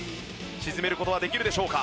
沈める事はできるでしょうか？